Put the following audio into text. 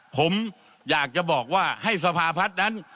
ผมอยากจะบอกว่าให้สภาพัฒน์นั้น